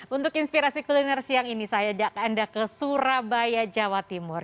untuk inspirasi kuliner siang ini saya ajak anda ke surabaya jawa timur